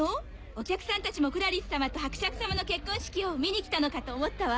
お客さんたちもクラリスさまと伯爵さまの結婚式を見に来たのかと思ったわ。